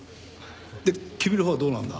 で君のほうはどうなんだ？